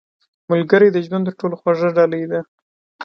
• ملګری د ژوند تر ټولو خوږه ډالۍ ده.